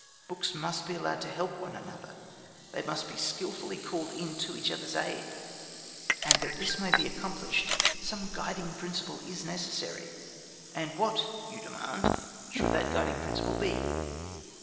Books must be allowed to help one another; they must be skilfully called in to each other's aid. And that this may be accomplished some guiding principle is necessary. "And what," you demand, "should that guiding principle be?"